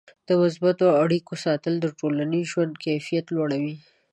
د مثبتو اړیکو ساتل د ټولنیز ژوند کیفیت لوړوي.